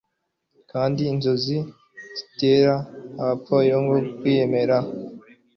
kandi inzozi zitera abapfayongo kwiyemera